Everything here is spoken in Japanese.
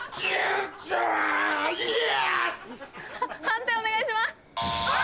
判定お願いします。